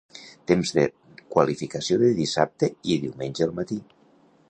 Temps de qualificació de dissabte i diumenge al matí.